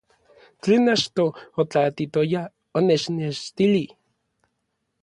Tlen achtoj otlaatitoya onechnextilij.